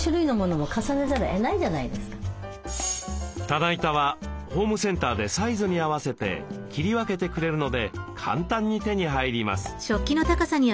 棚板はホームセンターでサイズに合わせて切り分けてくれるので簡単に手に入ります。